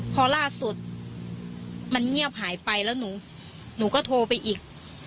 พอล่าสุดมันเงียบหายไปแล้วหนูก็โทรไปอีก